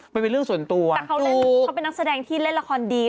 มันเป็นเรื่องส่วนตัวแต่เขาเล่นเขาเป็นนักแสดงที่เล่นละครดี